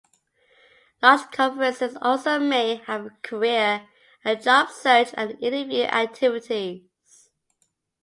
Large conferences also may have a career and job search and interview activities.